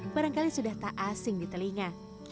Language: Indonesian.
barangkali sudah tak asing di telinga